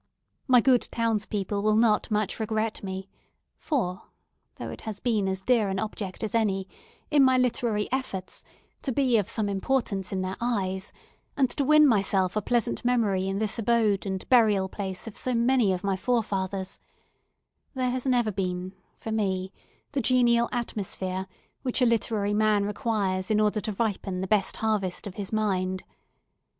My good townspeople will not much regret me, for—though it has been as dear an object as any, in my literary efforts, to be of some importance in their eyes, and to win myself a pleasant memory in this abode and burial place of so many of my forefathers—there has never been, for me, the genial atmosphere which a literary man requires in order to ripen the best harvest of his mind.